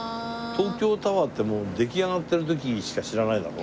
東京タワーってもう出来上がってる時しか知らないだろ？